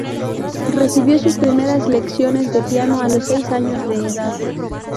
Recibió sus primeras lecciones de piano a los seis años de edad.